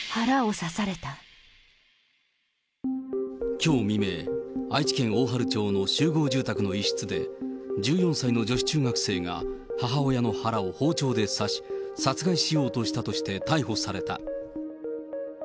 きょう未明、愛知県大治町の集合住宅の一室で、１４歳の女子中学生が母親の腹を包丁で刺し、殺害しようとしたとして逮捕された。